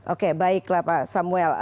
oke baiklah pak samuel